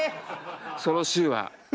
その週は。